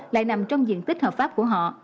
lại nằm trong diện tích hợp pháp của họ